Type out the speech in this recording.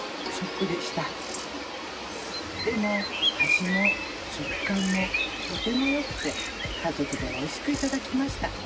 でも味も食感もとてもよくて家族でおいしく頂きました。